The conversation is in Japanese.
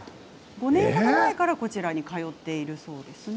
５年程前からこちらに通っているそうですね。